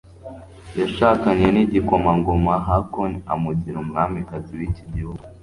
yashakanye nigikomangoma Haakon amugira umwamikazi wiki gihugu